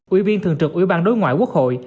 ủy viên thường trực ủy ban đối ngoại quốc hội